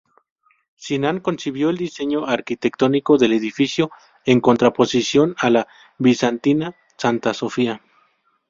Sinan concibió el diseño arquitectónico del edificio en contraposición a la bizantina Santa Sofía.